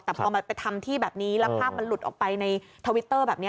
แต่พอไปทำที่แบบนี้แล้วภาพมันหลุดออกไปในทวิตเตอร์แบบนี้